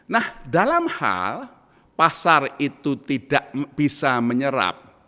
nah dalam hal pasar itu tidak bisa menyerap